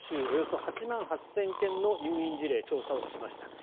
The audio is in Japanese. およそ８万８０００件の入院事例を調査をしました。